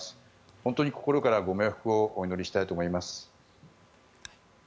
本当に心からご冥福をお祈りしたいと思います。